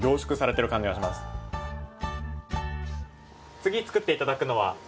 次作って頂くのは？